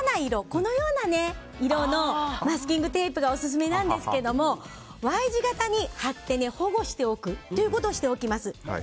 このような色のマスキングテープがオススメなんですがＹ字形に貼って保護しておくということをしておきます。